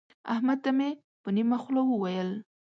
احمد ته مې په نيمه خوله وويل.